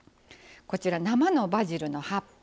こちら生のバジルの葉っぱ。